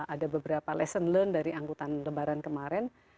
ada beberapa lesson learned dari angkutan lebaran kemarin